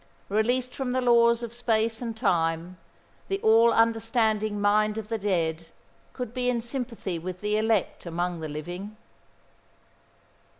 Released from the laws of space and time, the all understanding mind of the dead could be in sympathy with the elect among the living.